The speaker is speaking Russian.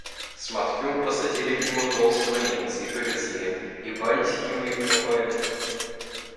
Смотрю, посадили к нему толстого Немца и повезли... И бантики мои пропали!..